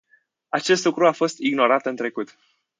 Acest lucru a fost ignorat în trecut.